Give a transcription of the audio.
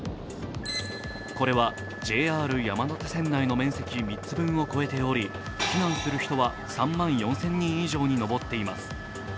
これはＪＲ山手線内の面積３つ分を超えており避難する人は３万４０００人以上に上っています。